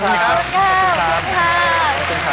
ขอบคุณครับ